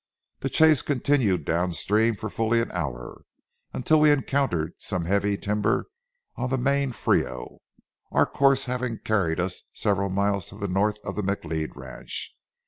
The chase continued down stream for fully an hour, until we encountered some heavy timber on the main Frio, our course having carried us several miles to the north of the McLeod ranch.